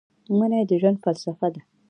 مني د ژوند فلسفه ده